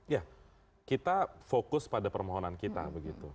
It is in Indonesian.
ya kita fokus pada permohonan kita begitu